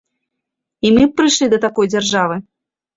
І мы б прыйшлі да такой дзяржавы.